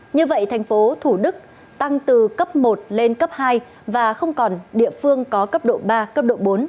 như vậy thành phố thủ đức tăng từ cấp một lên cấp hai và không còn địa phương có cấp độ ba cấp độ bốn